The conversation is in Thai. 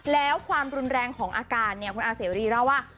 แล้วความรุนแรงของอาการเนี่ยคุณอาเสรีเล่าว่า